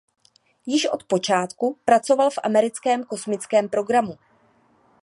Již od počátku pracoval v americkém kosmickém programu.